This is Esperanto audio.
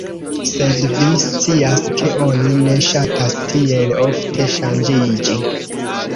Sed vi scias ke oni ne ŝatas tiel ofte ŝanĝiĝi.